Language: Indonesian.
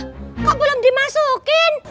loh kok belum dimasukin